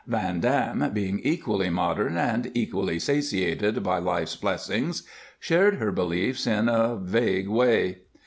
Van Dam, being equally modern and equally satiated by life's blessings, shared her beliefs in a vague way.